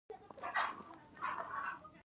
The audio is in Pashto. د هېواد مرکز د افغان کلتور سره تړاو لري.